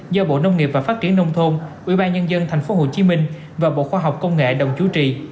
do bộ nông nghiệp và phát triển nông thôn ubnd thành phố hồ chí minh và bộ khoa học công nghệ đồng chú trì